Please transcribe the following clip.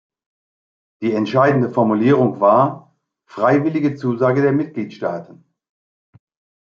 Die entscheidende Formulierung war "freiwillige Zusage der Mitgliedstaaten".